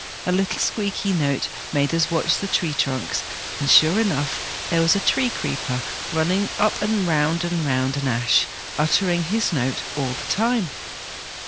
A little squeaky note made us watch the tree trunks, and, sure enough, there was a tree creeper running up and round and round an ash, uttering his note all the time.